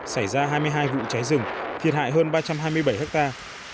xảy ra hai mươi hai vụ cháy rừng thiệt hại hơn ba trăm hai mươi bảy hectare